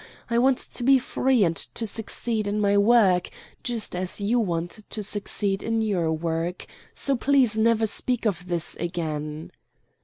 I want to be free and to succeed in my work, just as you want to succeed in your work. So please never speak of this again."